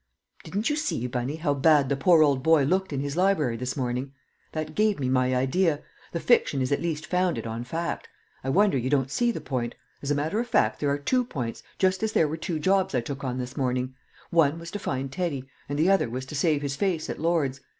"Didn't you see, Bunny, how bad the poor old boy looked in his library this morning? That gave me my idea; the fiction is at least founded on fact. I wonder you don't see the point; as a matter of fact, there are two points, just as there were two jobs I took on this morning; one was to find Teddy, and the other was to save his face at Lord's.